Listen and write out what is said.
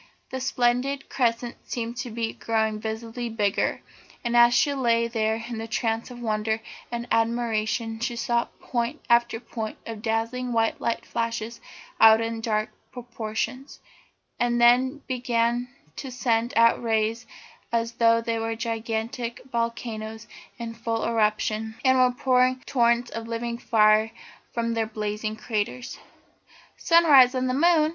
The splendid crescent seemed to be growing visibly bigger, and as she lay there in a trance of wonder and admiration she saw point after point of dazzling white light flash out in the dark portions, and then begin to send out rays as though they were gigantic volcanoes in full eruption, and were pouring torrents of living fire from their blazing craters. "Sunrise on the Moon!"